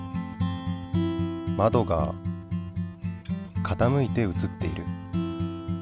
まどが傾いて写っている。